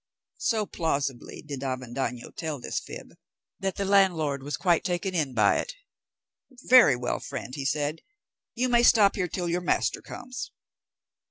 So plausibly did Avendaño tell this fib that the landlord was quite taken in by it. "Very well, friend," said he, "you may stop here till your master comes."